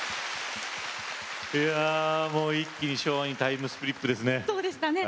一気に昭和にタイムスリップですね。